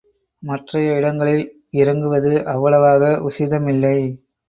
மற்றைய இடங்களில் இறங்குவது அவ்வளவாக உசிதமில்லை.